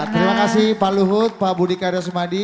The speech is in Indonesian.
terima kasih pak luhut pak boudikada sumadi